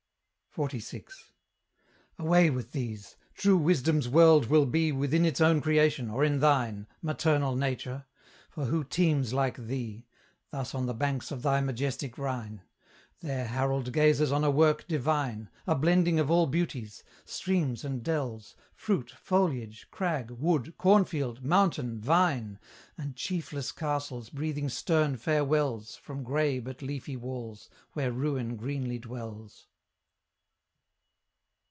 XLVI. Away with these; true Wisdom's world will be Within its own creation, or in thine, Maternal Nature! for who teems like thee, Thus on the banks of thy majestic Rhine? There Harold gazes on a work divine, A blending of all beauties; streams and dells, Fruit, foliage, crag, wood, corn field, mountain, vine, And chiefless castles breathing stern farewells From grey but leafy walls, where Ruin greenly dwells.